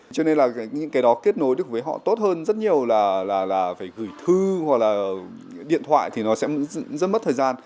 cho nên là những cái đó kết nối được với họ tốt hơn rất nhiều là phải gửi thư hoặc là điện thoại thì nó sẽ rất mất thời gian